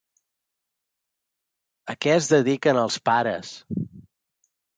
A què es dediquen els pares?